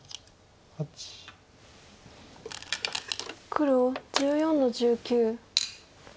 黒１４の十九。